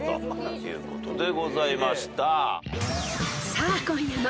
［さあ今夜も］